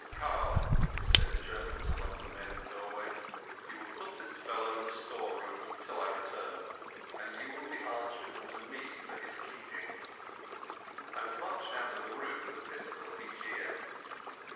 "Karl," he spoke in German to one of the men in the doorway, "you will put this fellow in the storeroom till I return, and you will be answerable to me for his keeping." I was marched out of the room with a pistol at each ear.